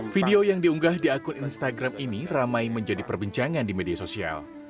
video yang diunggah di akun instagram ini ramai menjadi perbincangan di media sosial